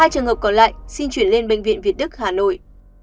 hai trường hợp còn lại xin chuyển lên bệnh viện việt đức hà nội